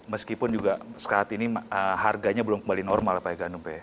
meskipun juga sekejap ini harganya belum kembali normal pak eganumpe